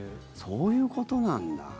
そういうことなんだ。